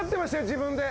自分で。